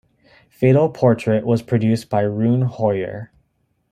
Fatal Portrait was produced by Rune Hoyer.